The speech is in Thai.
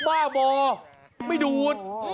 บ้าบ่อไม่ดูด